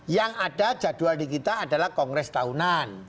yang ada jadwal di kita adalah kongres tahunan